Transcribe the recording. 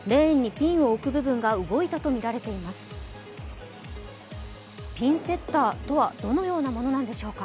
ピンセッターとはどのようなものなんでしょうか。